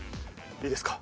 いいですか？